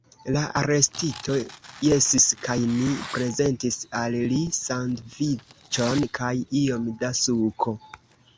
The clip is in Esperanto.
La arestito jesis, kaj ni prezentis al li sandviĉon kaj iom da suko.